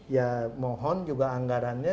ya mohon juga anggarannya